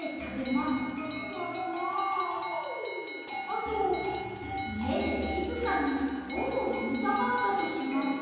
あといえでしずかにほんをよみたかったとします。